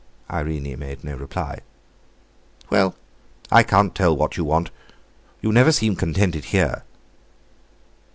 Irene made no reply. "Well, I can't tell what you want. You never seem contented here."